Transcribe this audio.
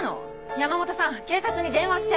山本さん警察に電話して。